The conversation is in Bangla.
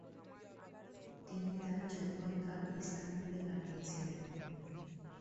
তিনি তার যৌবনকাল ইস্তাম্বুলে কাটিয়েছিলেন।